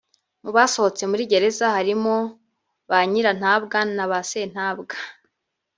Mu basohotse muri gereza harimo ba nyirantabwa na ba sentabwa